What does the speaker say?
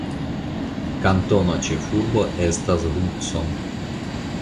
Kantona ĉefurbo estas Hudson.